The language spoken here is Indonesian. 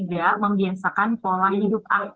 yang kedua membiasakan perilaku hidup sehat